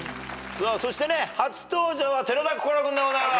そして初登場は寺田心君でございます。